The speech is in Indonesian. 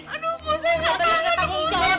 aduh aku gak tahan aku gak tahan